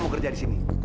nona kerja disini